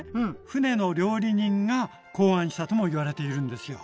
船の料理人が考案したともいわれているんですよ。